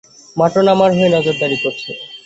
মার্টন আমার হয়ে নজরদারি করছে।